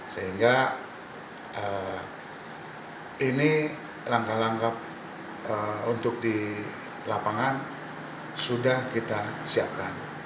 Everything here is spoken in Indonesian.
sehingga ini langkah langkah untuk di lapangan sudah kita siapkan